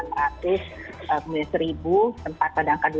terutama sepuluh hari belakangan ini